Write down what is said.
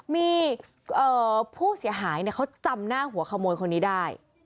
มีผู้เสียหายเขาจำหน้าหัวขโมยคนนี้ได้